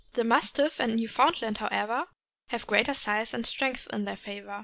The Mastiff and Newfoundland, however, would have greater size and strength in their favor.